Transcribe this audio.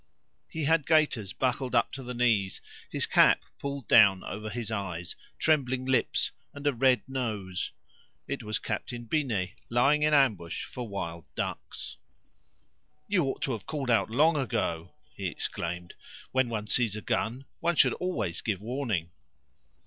He had gaiters buckled up to the knees, his cap pulled down over his eyes, trembling lips, and a red nose. It was Captain Binet lying in ambush for wild ducks. "You ought to have called out long ago!" he exclaimed; "When one sees a gun, one should always give warning."